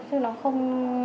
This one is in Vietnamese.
chứ nó không